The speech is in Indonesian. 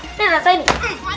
nih rasain nih